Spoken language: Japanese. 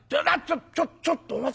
「ちょっちょっとお待ち！